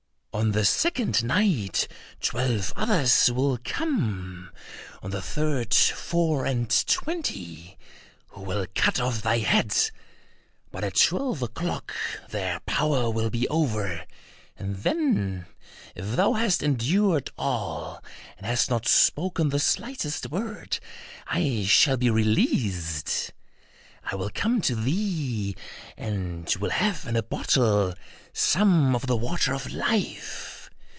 On the second night twelve others will come; on the third, four and twenty, who will cut off thy head, but at twelve o'clock their power will be over, and then if thou hast endured all, and hast not spoken the slightest word, I shall be released. I will come to thee, and will have, in a bottle, some of the water of life.